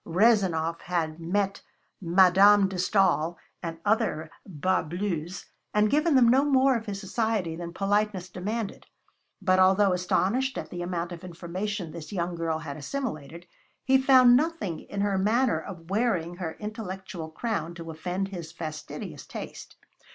Rezanov had met Madame de Stael and other bas bleus, and given them no more of his society than politeness demanded, but although astonished at the amount of information this young girl had assimilated, he found nothing in her manner of wearing her intellectual crown to offend his fastidious taste.